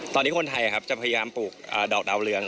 ตอนนี้คนไทยจะพยายามปลูกดอกดาวเรือง